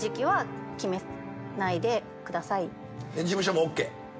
事務所もＯＫ？